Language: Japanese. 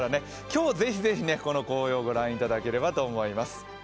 今日ぜひぜひ、この紅葉をご覧いただければと思います。